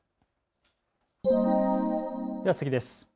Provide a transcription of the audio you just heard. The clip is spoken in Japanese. では次です。